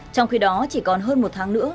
trong khi đó chỉ còn hơn một tháng nữa